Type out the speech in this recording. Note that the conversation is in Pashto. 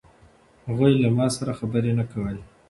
هغه له ما سره خبرې نه کولې.